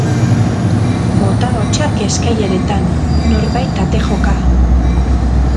Bota-hotsak eskaileretan, norbait ate joka.